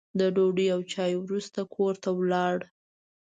د ډوډۍ او چایو وروسته کور ته ولاړ.